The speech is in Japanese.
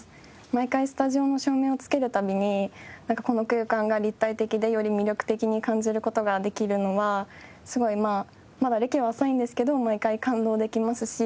毎回スタジオの照明をつける度にこの空間が立体的でより魅力的に感じる事ができるのはすごいまだ歴は浅いんですけど毎回感動できますし。